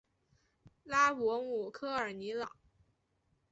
拉博姆科尔尼朗。